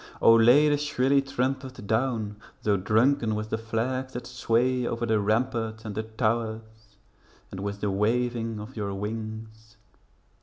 O! lay the shrilly trumpet down, Though drunken with the flags that sway Over the ramparts and the towers, And with the waving of your wings.